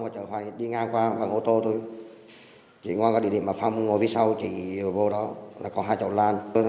chị ngoan có địa điểm mà phong ngồi phía sau chị vô đó có hai trộm lan